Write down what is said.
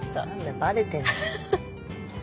バレてんじゃん。ハハハ。